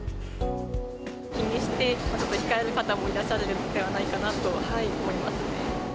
気にして、ちょっと控える方もいらっしゃるのではないかなと思います。